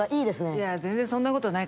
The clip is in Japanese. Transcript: いや全然そんなことないから。